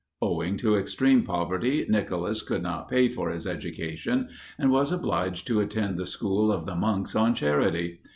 Owing to extreme poverty, Nicholas could not pay for his education, and was obliged to attend the school of the monks on charity.